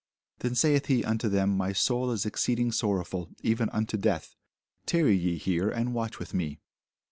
Then saith he unto them, My soul is exceeding sorrowful, even unto death: tarry ye here, and watch with me.